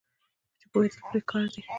چې پوهیدل پرې پکار دي.